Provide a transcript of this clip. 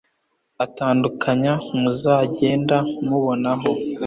atandukanye muzagenda mubonaho